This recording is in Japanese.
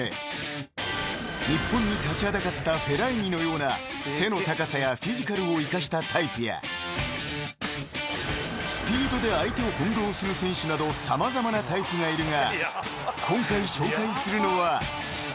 ［日本に立ちはだかったフェライニのような背の高さやフィジカルを生かしたタイプやスピードで相手を翻弄する選手など様々なタイプがいるが今回紹介するのは］